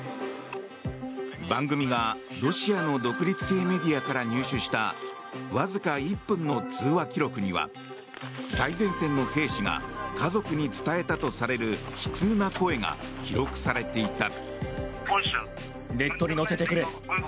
番組がロシアの独立系メディアから入手したわずか１分の通話記録には最前線の兵士が家族に伝えたとされる悲痛な声が記録されていた。